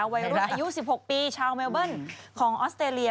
อายุ๑๖ปีชาวเมลเบิ้ลของออสเตรเลีย